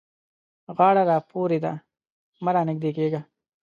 غاړه را پورې ده؛ مه رانږدې کېږه.